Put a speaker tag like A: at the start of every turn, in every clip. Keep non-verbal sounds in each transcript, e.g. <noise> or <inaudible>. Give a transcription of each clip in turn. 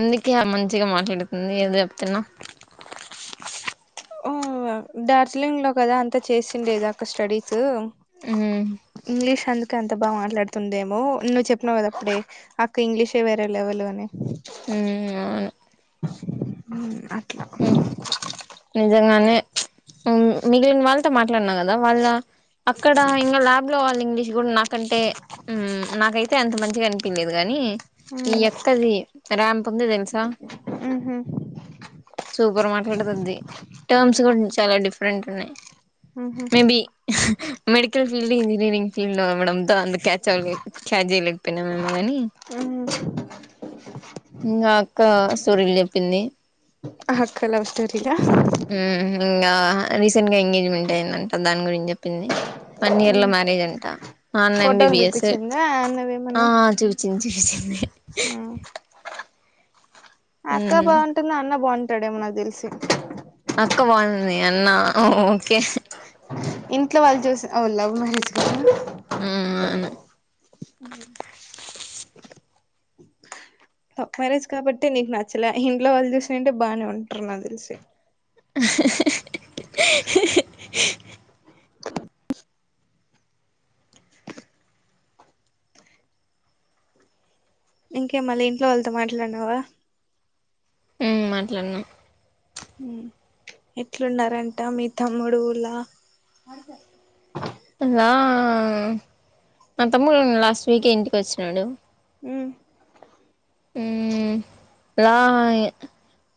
A: అందుకే మంచిగా మాట్లాడుతుంది ఏదో చెప్తునవ్
B: ఊ డార్జిలింగ్లో కదా అంత చేసిండేది అక్కడ స్టడీస్
A: ఉమ్
B: ఇంగ్లీష్ అందుకే అంత బాగా మాట్లాడుతుందేమో నువ్వు చెప్పినవ్ కదా అప్పుడే అక్క ఇంగ్లీష్ వేరే లెవల్ లోనే
A: ఊ ఆ
B: ఊ అట్లా
A: హ్మ్ నిజంగానే ఊ మిగిలిన వాళ్ళతో మాట్లాడిన కదా వాళ్ళ అక్కడ ఇంగ ల్యాబ్లో వాళ్ళ ఇంగ్లీష్ కూడా నాక్ కంటే ఊ నాకైతే అంత మంచిగ అనిపీలేదు కానీ ఈ అక్కది ర్యాంప్ ఉంది తెలుసా
B: ఉహు
A: సూపర్ మాట్లాడతాది టర్మ్స్ కూడా
B: ఉహు
A: చాలా డిఫరెంట్ వున్నాయ్
B: ఉహు
A: మేబీ హ మెడికల్ ఫీల్డ్ ఇంజనీరింగ్ ఫీల్డ్ అవడంతో అందుకే క్యాచ్ అవ్వలే క్యాచ్ జేయలేకపోయినా ఏమో కానీ
B: అహ
A: ఇంగ అక్క స్టోరీలు చెప్పింది
B: ఆ అక్క లవ్ స్టోరిలా
A: ఊ ఇంగా రీసెంట్గా ఎంగేజ్మెంట్ అయిందంట దాని గురించి జెప్పింది వన్ ఇయర్లో మ్యారేజ్ అంటా ఆ అన్న
B: ఫోటోలు
A: ఎంబిబిఎస్
B: చూపించిందా
A: ఆ చూచింది చూసింది
B: ఆ అక్క
A: మ్మ్
B: బాగుంటుంది అన్న బాగుంటాడేమో నాకు తెలిసి
A: అక్క బాగుంది అన్నా ఆ ఓకే
B: ఇంట్లోవాళ్ళు చూసి లవ్ మ్యారేజ్ కదా
A: ఊ అవును
B: ఉ ఊమ్ లవ్ మ్యారేజ్ కాబట్టి నీకు నచ్చలే ఇంట్లో వాళ్ళు చూసినంటే బానే ఉంటరు నాకు తెలిసి
A: ఉహ్ ఉహు
B: ఇంకే మళ్ళీ ఇంట్లో వాళ్ళతో మాట్లాడినావా
A: ఊ మాట్లాడినా
B: ఊ ఎట్లున్నారంట మీ తమ్ముడు ఊర్లా
A: అలా మా తమ్ముడు లాస్ట్ వీక్ ఏ ఇంటికి వచ్చిండు
B: ఉమ్
A: ఉమ్ లా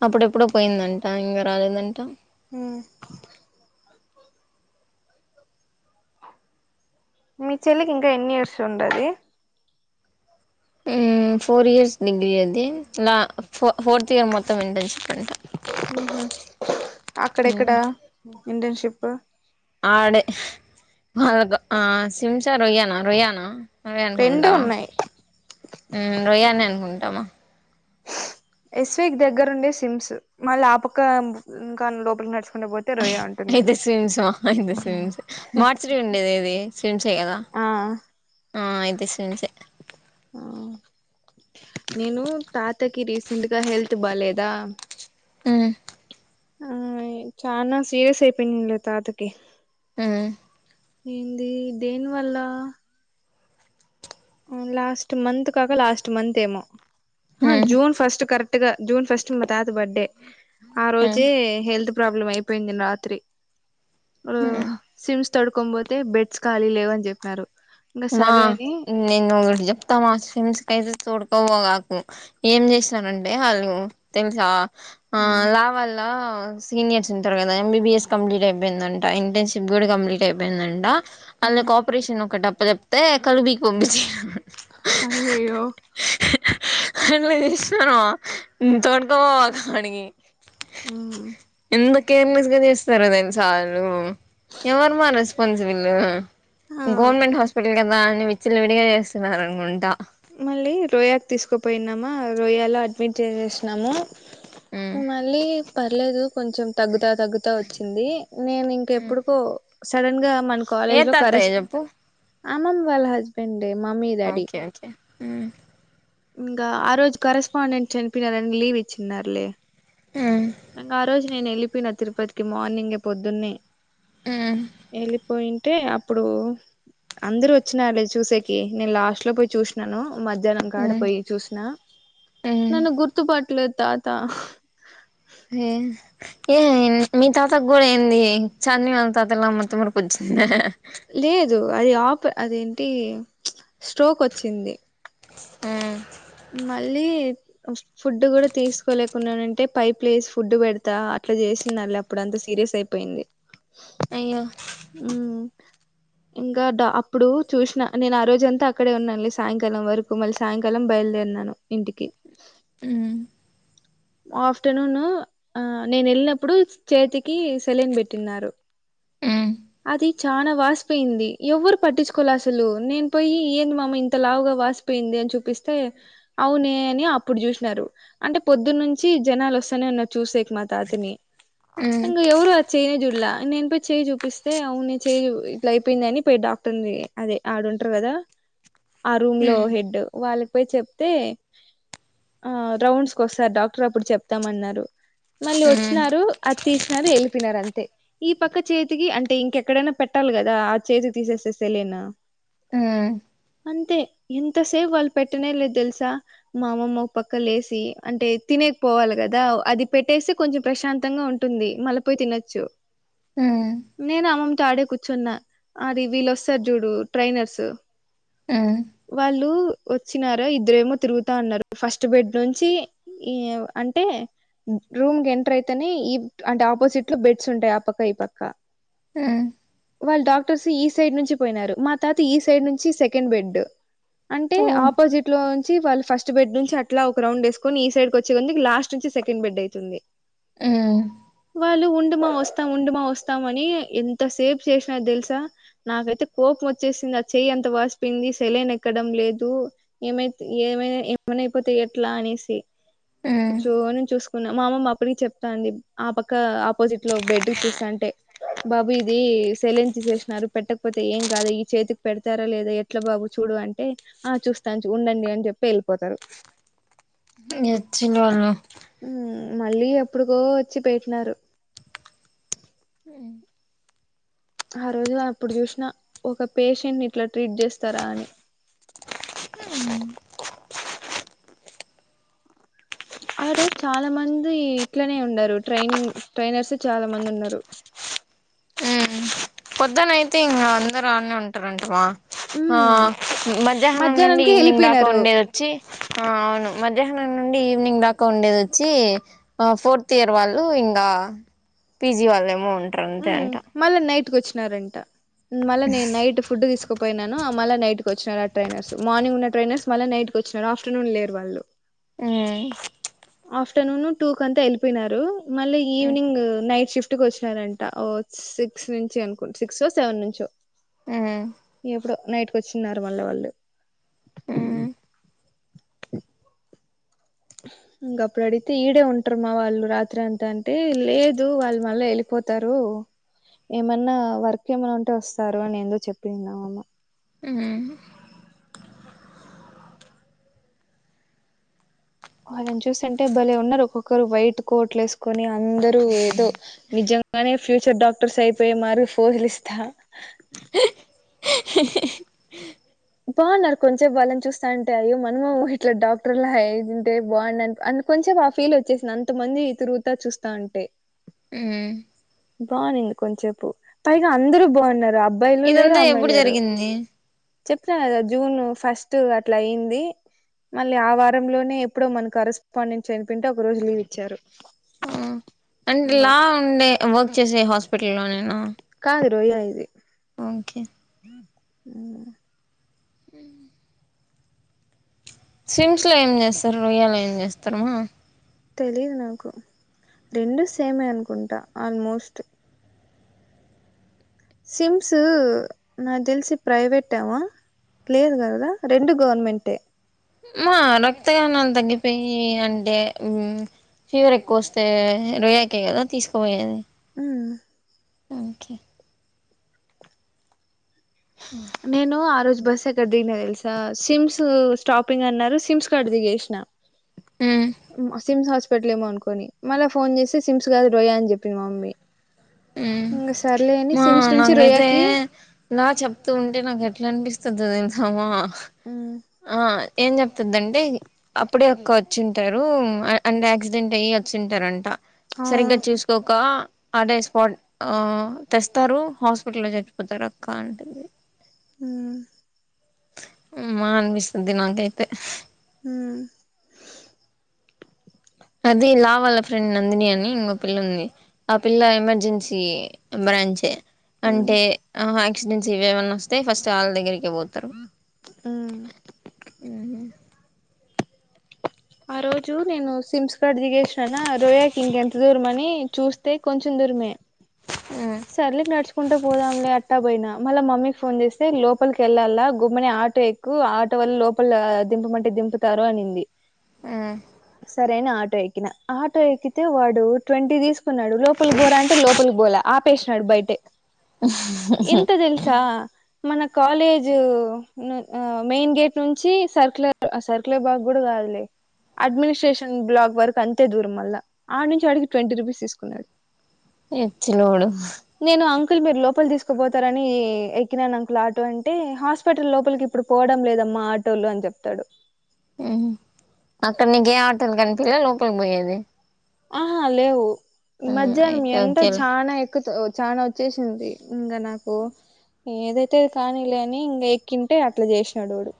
A: అప్పుడెప్పుడో పోయిందంట ఇంగ రాలేదంట
B: ఊ మీ చెల్లికి ఇంకా ఎన్ని ఇయర్స్ ఉండాది
A: ఊ ఫోర్ ఇయర్స్ డిగ్రీ అది లా పో ఫోర్త్ ఇయర్ మొత్తం ఇంటర్న్షిప్ అంట
B: ఉహు అక్కడక్కడా
A: మ్మ్
B: ఇంటర్న్షిప్.
A: ఆడే హై వాళ్ళగా. ఆ శింసా రొయ్యనా రొయ్యనా అదే
B: రెండు
A: అనుకుంటా.
B: ఉన్నాయి
A: ఉమ్ రొయ్యానే అనుకుంటామా.
B: ఎస్వికి దగ్గర ఉండే సిమ్స్ మళ్ళీ ఆపక్క ఇంకా లోపలి నడుచుకుంటు పోతే. రోయా ఉంటుంది
A: ఇది సిమ్స్స అయితే సమ్స్ మార్చడం ఉండేది ఏది. స్విమ్స్ ఏ కదా
B: ఆ
A: ఆ అయితే స్విమ్స్ ఏ.
B: ఆ నేను తాతకి రీసెంట్ గా హెల్త్ బాలేదా.
A: ఊ.
B: ఆ చనా సీరియస్ అయిపోయింది లే తాతకి.
A: ఊ.
B: ఏంది దేని వల్ల. లాస్ట్ మంత్ కాక లాస్ట్ మంతెమో హ
A: um
B: June first correct గా జూన్ ఫస్ట్ మా తాత బర్త్ డే ఆ
A: ఉమ్
B: రోజే హెల్త్ ప్రాబ్లమ్ అయి. పోయింది న్ రాత్రి ఆ.
A: ఉమ్
B: సిమ్స్ తోడుకోన్ పోతే బెడ్స్ ఖాళీ లేవని చెప్పినారు. ఇంకా
A: మా
B: సరే అని
A: నేనోట్ చెప్తామా సిమ్స్ కైతే తోడుకపోమాక్. ఏం చేసిననంటే అళ్ళు తెలుసా ఆ లావల్ల స్. సీనియర్స్ ఉంటారు కాద ఎంబీబీఎస్ కంప్లీట్ అయిపోయిందంట ఇంటర్న్షిప్ కూడా కంప్లీట్ అయిపోయిందంట. అల్లకు ఆపరేషన్ ఒకట్ అప్ప చెప్తే కల్లుబికి బమ్బించ్.
B: అయ్యయ్యో.
A: అంద్లా చేసినర్ మా తోడకోపోమాక్ అడికి.
B: ఉ.
A: ఎంత కేర్లెస్ గా చేస్తారో తెల్సా అళ్ళు. ఎవర్మా రెస్పాన్స్ వీల్లు
B: ఆ
A: గవర్నమెంట్ హస్. స్పటల్ కద అని విచ్చలు విడిగా చేస్తున్నర్ అనుకుంటా.
B: మళ్ళీ రోయాక్ తీసుకోపోయినామా రోయా లో అడ్మిట్ చేసేసినాము.
A: మ్
B: మళ్ళీ పర్లేదు కొంచెం తగ్గుతా తగ్గుతా వచ్చింది. నేను ఇంక ఎప్పుడుకో సడన్ గా మన
A: ఏ
B: కాలేజ్ లో
A: తాతయ్య
B: కరస్.
A: చెప్పు
B: అమ్మమ్మ వాళ్ హస్. స్బెండే మామీద్.
A: ఓకే ఓకే ఉ.
B: ఇంకా ఆ రోజు కరెస్పాండెంట్ చేలిపోయినారని లీవ్ ఇచ్చినారులే.
A: ఉ.
B: ఇంగ ఆ రోజు నేనెళ్ళిపోయినా తిరుపతికి మార్నింగే పొద్దున్నే
A: మ్
B: వెళ్ళిపోయి. అంటే అప్పుడు అందరు వచ్చినార్లే చూసేకి నేన్ లాస్ట్ లో పోయి చూసినాను. మధ్యాహ్నం
A: మ్
B: కాడపోయి చూసిన నన్ను
A: ఏ
B: గుర్తు పట్టలేద్ తాత.
A: ఏ. ఏ మీ తాతక్ కూడా ఏంది చందిని వాలా తాతల మతిమర్పొచ్చిందా.
B: లేదు అది ఆప్ అదేంటి స్ట్రోకోచ్చింది.
A: ఉ.
B: మళ్ళీ చ్. ఫుడ్డు కూడా తీసుకోలేకున్నానంటే పైపులేసి ఫుడ్డు పెడతా అట్లా చేస్తున్నార్లే అప్పుడు అంత సీరియస్ అయిపోయింది.
A: అయ్యో.
B: ఉమ్ ఇంకా డా అప్పుడు చూసిన నేను ఆ రోజంతా అక్కడే ఉన్నాన్లే సాయంకాలం వరకు మళ్ళీ సాయంకాలం బయలుదేరినాను. ఇంటికి
A: ఉమ్
B: ఆఫ్టర్నూన్ ఆ నేనెళ్ళినప్పుడు చేతికి సెలెన్ పెట్టిన్నారు
A: ఉ
B: అది చానా వాసిపోయింది ఎవ్వరు పట్టిచ్చుకోలా అసలు నేన్ పోయి ఏంది మామ ఇంతలావుగా వాసిపో పోయింది అని చూపిస్తే అవునే అని అప్పుడు చూసినారు అంటే పొద్దున్నుంచి జనాలు వస్తానే ఉన్నారు చూసేకి మా తాతని
A: మ్
B: ఇంగ ఎవరు ఆ చేయినే చూడ్లా నేను పోయి చేయి చూపిస్ అయితే అవును చేయిని ఇట్లా అయిపోయిందని పోయి డాక్టర్ని అదే ఆడుంటారు కదా ఆ రూమ్
A: మ్
B: లో
A: మ్
B: హెడ్డు వాళ్ళక్ పోయి చెప్తే ఆ రౌండ్స్ కొస్తారు డాక్టర్ అప్పుడు చెప్తామన్నారు మళ్ళీ
A: మ్
B: వచ్చినారు అది తీసినారు వెళ్ళిపోనారు అంతే ఈ పక్క చేతికి అంట్ అంటే ఇంకెక్కడైనా పెట్టాలి కదా ఆ చేతికి తీసేస్తే సెలిన్
A: ఆ
B: అంతే ఎంతసేపు వాళ్ళు పెట్టనే లేదు తెల్సా మా అమ్మమ్మ ఒక్ పక్క లేసి అంటే తినేకి పోవాలి కదా అది పెట్టేస్తే కొంచెం ప్రశాంతంగా ఉంటుం ఉంటుంది మళ్ళపోయి తినొచ్చు
A: ఆ
B: నేను అమ్మమ్మతో ఆడే కూర్చున్న అది వీళ్ళొస్తారు చూడు ట్రైనర్స్ వాళ్ళు వచ్చినార ఇద్దరేమో తిరుగుతాన్నారు ఫస్ట్ బెడ్ నుంచి ఈ అంటే రూమ్ కి ఎంటర్ అయితేనే ఈ అంటే ఆపోజిట్ లో బెడ్స్ ఉంటాయి ఆ పక్క ఈ పక్క
A: ఆ
B: వాళ్ళు డాక్టర్స్ ఈ సైడ్ నుంచి పోయినారు మా తాత ఈ సైడ్ నుంచి సెకండ్ బెడ్ అంటే
A: ఓ
B: ఆపోజిట్ లో నుంచి వాళ్ళు ఫస్ట్ ఫస్ట్ బెడ్ నుంచి అట్లా ఒక రౌండ్ వేసుకొని ఈ సైడ్ కొచ్చేందుకు లాస్ట్ నుంచి సెకండ్ బెడ్ అయితుంది
A: ఆ
B: వాళ్ళు ఉండుమా వస్తాం ఉండుమా వస్తాం అని ఎంత సేపు చేసినారు తెలుసా నాకైతే కోపం వచ్చేసింది ఆ చెయ్యి ఎంత వాసిపోయింది సెలైన్ ఎక్కడం లేదు ఏమై ఏమైనా ఏమైనా అయిపోతా ఎట్లా అనేసి
A: ఉమ్
B: కూర్చుని చూసుకో మా అమ్మమ్మ అప్పటికి చెప్తా అంది ఆ పక్క ఆపోజిట్ లో బెడ్ చూస్తా అంటే బాబు ఇది సెలైన్ తీసేసినారు పెట్టకపోతే ఏం కాదా ఈ చేతికి పెడతారా లేదా ఎట్ల బాబు చూడు అంటే ఆ చూస్తాను ఉండండి అని చెప్పి వెళ్ళిపోతారు
A: ఇగ ఎచ్చినోళ్లు
B: మళ్ళీ ఎప్పుడుకో వచ్చి పెటినారు
A: అ
B: ఆ రోజు అప్పుడు చూసినా ఒక పేషెంట్ ని ఇట్లా ట్రీట్ చేస్తారా అని ఆ రోజు చాలా మంది ఇట్లనే ఉన్నారు ట్రైనింగ్ ట్రైనర్స్ చాలా మంది ఉన్నారు
A: పొద్దునయితే ఇంకా అందరు ఆడనే ఉంటారంటవా ఆ
B: ఉమ్
A: మధ్యాహ్నం నుండి
B: మధ్యాహ్నానికి
A: ఈవ్నింగ్ దాకా
B: వెళ్ళిపోయినారు
A: ఉండే వచ్చి ఆ అవును మధ్యాహ్నం నుండి ఈవినింగ్ దాకా ఉండేది వచ్చి ఆ ఫోర్త్ ఇయర్ వాళ్ళు ఇంగా పీజీ వాళ్ళ ఏమో ఉంటా
B: మ్ మళ్ళా నైట్కి వచ్చినారంట మళ్ళా నే నైట్ ఫుడ్ తీసుకుపోయినాను మళ్ళీ నైట్కి వచ్చినారు ఆ ట్రైనర్స్ మార్నింగ్ ఉన్న ట్రైనర్ మళ్ళీ నైట్కి వచ్చినారు ఆఫటర్నూన్ లేరు వాళ్ళు
A: ఉమ్
B: ఆఫ్టర్నూన్ టూ క అంతా వెళ్ళిపోయినారు మళ్ళీ
A: ఉమ్
B: ఈవినింగ్ నైట్ షిఫ్ట్ ఇటుకి వచ్చినారంట ఓ సిక్స్ నుంచి అనుకుట సిక్స్ సెవెన్ నుంచో
A: ఆ
B: ఎప్పుడో నైట్కి వచ్చిన్నారు మళ్ళీ వాళ్ళు
A: ఉమ్
B: ఇంక అప్పుడు అడిగితే ఈడే ఉంటారు మా వాళ్ళు రాత్రి అంతా అంటే లేదు వాళ్ళు మళ్ళీ వెళ్లి పోతారు ఏమన్నా వర్క్ ఏమన్నా ఉంటే వస్తారు అని ఎందో చెప్పింది అమ్మమ్మ
A: హ్మ్మ్
B: వాళ్ళని చూస్తాంటే భలే ఉన్నారు ఒక్కొక్కరు వైట్ కోట్ లేసు కొని అందరు ఏదో నిజంగానే ఫ్యూచర్ డాక్టర్స్ అయిపోయే మాదిరి ఫోజులిస్తా
A: హ హే హ్
B: బాగున్నారు కొంచెే వాళ్ళని చూస్తాంటే అయ్యో మనమూ ఇట్లా డాక్టర్లా అయుంటే బాగున్నా అను కొంచెం ఆ ఫీల్ వచ్చేసింది అంతమంది ఇ తిరుగుతా చూస్తా అంటే
A: హ్మ్మ్
B: బావుండింది కొంచసేపు పైగా అందర బాగున్నారు అబ్బాయిలు లేరు అమ్మాయిలు లేరు
A: మ్మ్
B: చెప్తున్నాను కదా జూన్ ఫస్ట్ అట్లా అయింది మళ్ళీ ఆ వారంలోనే ఎప్పుడో మన కరెస్పాండెంట్ చనిపొయివుంటె ఒక రోజు లీవ్ ఇచ్చారు
A: ఆ అంటేలా ఉండే వర్క్ చేసే హాస్పిటల్లో నేను
B: కాదు రోయ్యయి ఇది
A: ఓకే
B: <inaudible>
A: ఉ స్విమ్స్ లో ఏం చేస్తారు రొయ్యలో ఏం చేస్తారమ్మా
B: తెలిదు నాకు రెండు సేమే అనుకుంటా ఆల్మోస్ట్ సిమ్స్ నా తెలిసి ప్రవేట్ ఏమో లేదు కద రెండు గవర్నమెంటే
A: మా రక్తగానాలు తగ్గిపోయి అంటే ఉమ్ ఫీవర్ ఎక్కువ వస్తే రోయాకె కదా తీసుకుపోయేది
B: ఆ
A: ఓకే హ <inaudible>
B: నేను ఆ రోజు బస్సు ఎక్కడ దిగిన తెలుసా సిమ్స్ స్టాపింగ్ అన్నారు సిమ్స్ కడ దిగేసినా ఉమ్ స్విమ్స్ హాస్ హాస్పిటల్ ఏమో అనుకొని మళ్ళీ ఫోన్ చేసి సిమ్స్ కాదు రొయా అని చెప్పి మా మమ్మీ
A: ఉమ్
B: ఇంకా సర్లే అని
A: మా
B: సిమ్స్ నుంచి
A: నాకైతే
B: రొయాకి
A: ఇలా చెప్తూ ఉంటే నాకు ఎట్లా అనిపిస్తుంది తెలుసా మా
B: ఉ
A: ఆ ఏం చెప్తుందంటే అప్పుడే అక్క వచ్చింటారు అంటే యాక్సిడెంట్ అయ్యి వచ్చింటారంట సరిగ్గా
B: అవును
A: చూసు ఇది ఒక అదే స్పాట్ ఆ తెస్తారు హాస్పిటల్ లో చచ్చిపోతారు అక్క అంటంది
B: ఉ
A: అమ్మ అనిపిస్తుంది నాకైతే
B: ఉ
A: అదే లా వాళ్ళ ఫ్రెండ్ నందిని అని ఇంకో పిల్ల ఉంది ఆ పిల్ల ఎమర్జెన్సీ బ్రాంచే
B: మ్మ్
A: అంటే ఆహా ఆయాక్సిడెంట్స్ ఇవేమన్నా వస్తే ఫస్ట్ ఆళ్ళ దగ్గరకే పోతారు
B: ఉ
A: ఉహు
B: ఆ రోజు నేను స్కిమ్స్ కాడ దిగేసినానా రోయాకి ఇంకెంత దూరం అని చూస్ తే కొంచెం దూరమే
A: ఆ
B: సర్లే నడుచుకుంటూ పోదాంలే అట్టా పోయిన మళ్ళీ మమ్మీకి ఫోన్ చేస్తే లోపలికి వెళ్ళాలా గుమ్మని ఆటో ఎక్ కు ఆటో వల్ల లోపల దింపమంటే దింపుతారు అనింది
A: ఆ
B: సరే అని ఆటో ఎక్కిన ఆటో ఎక్కితే వాడు ట్వంటీ తీసుకున్నాడు లోపల బోరా అంటే లోపలి బోల ఆపేసినాడు బయటే ఎంత తెలుసా మన కాలేజ్ మెయిన్ గేట్ నుంచి సర్కులర్ సర్కులర్ బాగ్ కూడా కాదులే అడ్మినిస్ట్రేషన్ బ్లాక్ వరకు అంతే దూరం మల్ల ఆడ నుంచి ఆడికి ట్వంటీ రూపీస్ తీసుకున్నాడు
A: ఏచ్చినోడు
B: నేను అంకుల్ మీరు లోపలి తీసుకుపోతారని ఎక్కినాను అంకుల్ ఆటో అంటే హాస్పిటల్ లోపలికి ఇప్పుడు పోవడం లేదమ్మా ఆటోలు అని చెప్తాడు
A: ఉ అక్కడ నీకు ఏ ఆటోలు కనిపిలేద లోపలికి పోయేది
B: ఆహా లేవు మధ్యాహ్నం
A: అయితే
B: ఎండా
A: ఓకేలే
B: చానా ఎక్కుత చానా చేసింది ఇంగా నాకు ఏదైతే అది కానీలే అని ఇంగ ఎక్కింటే అట్లా చేసినాడు వాడు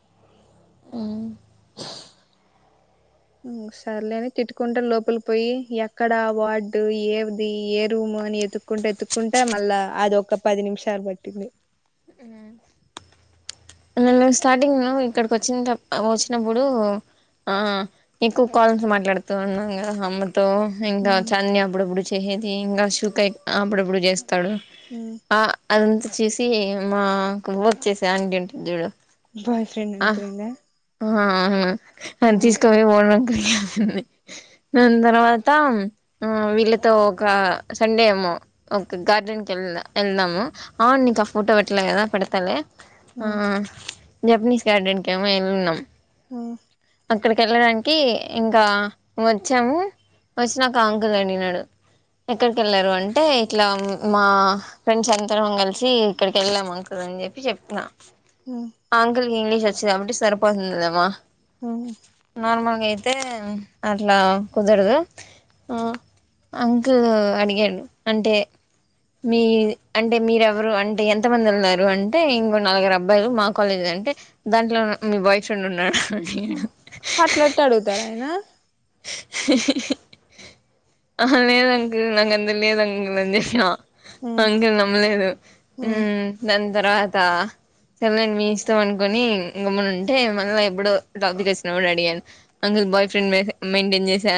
A: హ్
B: ఇంగా సర్లే అని తిట్టుకుంట లోపలి పోయి ఎక్కడా వార్డు ఏది ఏ రూమ్ అని ఎతు వెతుక్కుంటా ఎత్తుక్కుంట మళ్ళా అది ఒక పది నిమిషాలు పట్టింది
A: ఉ నిన్న స్టార్టింగ్ మేము ఇక్కడికి వచ్చినత్ వచ్చినప్పుడు ఆ ఎక్కువ కాల్స్ మాట్లాడుతూ ఉన్నాను కదా అమ్మతో ఇంకా
B: ఉమ్
A: చన్ని అప్పుడప్పుడు చేసేది ఇంకా షూకాయ్ అప్పుడప్పుడు చేస్తాడు
B: హు
A: ఆ అదంతా చూసి మా వర్క్ చేసే ఆంటీ ఉంటది చూడు
B: బాయ్ ఫ్రెండ్
A: ఆ
B: అనుకునిందా
A: ఆ అవున ఆది
B: ఉమ్
A: తీసుకపోయి ఓనర్ అంకల్ కి చెప్పింది దాని తర్వాత ఆ వీళ్ళతో ఒక సండే ఏమో ఓకే గార్డెన్ కెళ్ళినా వెళ్దాము అవున్ నీకా ఫోటో పెట్లేగ ఆ పెడతాలె
B: ఉమ్
A: జపనీస్ కేటరింగ్ కేమో వెళ్ళున్నాం
B: ఉమ్
A: అక్కడ వెళ్ళడానికి ఇంకా వచ్చాము ఫస్ట్ నాకు ఆ అంకుల్ అడిగినాడు ఎక్కడికి వెళ్ళారు అంటే ఇట్లా మా ఫ్రెండ్స్ అందరం కలిసి ఇక్కడికి వెళ్ళాం అంకుల్ అని చెప్పి చెప్తున్న
B: హా
A: ఆ అంకుల్ కి ఇంగ్లీష్ వచ్చిది కాబట్టి సరిపోతుందమ్మ
B: ఓహా
A: నార్మల్గా అయితే అట్లా కుదరదు ఆ అంకుల్ అడిగాడు అంటే మీ అంటే మీరేవరు అంటే ఎంత మంది ఉన్నారు అంటే ఇంకో నాలుగరు అబ్బాయిలు మా కాలేజీ అంటే దాంట్లో మీ బాయ్ ఫ్రెండ్ ఉన్నాడ
B: అట్లెట్టా అడుగుతారు అయనా
A: ఆహా లేదు అంకుల్ నాకు అంత లేదు అంకుల్ అని చెప్పినవ
B: ఉమ్
A: అంకుల్ నమ్మలేదు ఉమ్ దాని తర్వాత సర్లే లెండి మీ ఇష్టాం అనుకొని గమ్మని ఉంటే మళ్ళీ ఎప్పుడో టాపిక్ వచ్చినప్పుడు అడిగాను అంకుల్ బాయ్ ఫ్రెండ్ మె మెయింటైన్ చేస